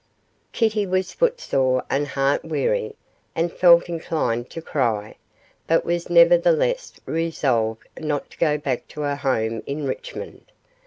Kitty was footsore and heart weary, and felt inclined to cry, but was nevertheless resolved not to go back to her home in Richmond.